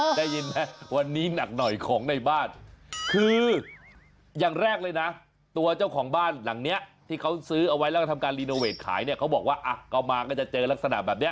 ได้ยินไหมวันนี้หนักหน่อยของในบ้านคืออย่างแรกเลยนะตัวเจ้าของบ้านหลังเนี้ยที่เขาซื้อเอาไว้แล้วก็ทำการรีโนเวทขายเนี่ยเขาบอกว่าอ่ะก็มาก็จะเจอลักษณะแบบนี้